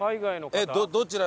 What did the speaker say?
どちら？